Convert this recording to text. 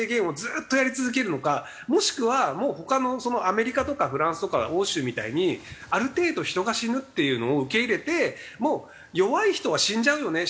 ずっとやり続けるのかもしくはもう他のアメリカとかフランスとか欧州みたいにある程度人が死ぬっていうのを受け入れてもう弱い人は死んじゃうよね